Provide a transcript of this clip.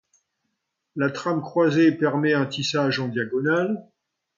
La trame croisée permet un tissage en diagonale.